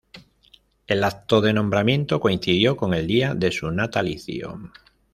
El acto de nombramiento coincidió con el día de su natalicio.